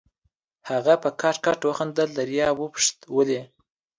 هغه په کټ کټ وخندل، دریاب وپوښت: ولې؟